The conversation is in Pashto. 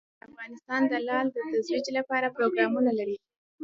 افغانستان د لعل د ترویج لپاره پروګرامونه لري.